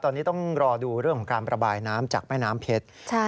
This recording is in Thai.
ตอนนี้ต้องรอดูเรื่องของการประบายน้ำจากแม่น้ำเพชร